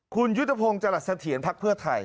คุณยุตภงจรษฐียันทร์ภักดิ์เพื่อไทย